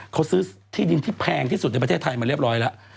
เขาซื้อที่ดินที่แพงที่สุดในประเทศไทยมาเรียบร้อยแล้ว